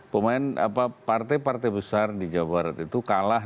partai partai besar di jawa barat itu kalah